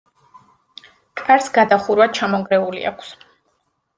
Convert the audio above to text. კარს გადახურვა ჩამონგრეული აქვს.